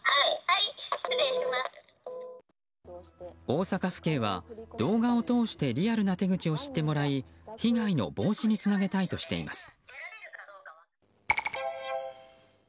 大阪府警は動画を通してリアルな手口を知ってもらい被害の防止につなげたいとしています。